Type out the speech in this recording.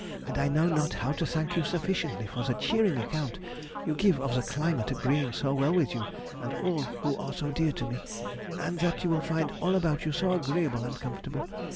and I know not how to thank you sufficiently for the cheering account you give of the climate agreeing so well with you and all who are so dear to me, and that you find all about you so agreeable and comfortable